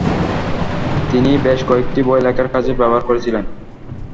তিনি বেশ কয়েকটি বই লেখার কাজে ব্যবহার করেছিলেন।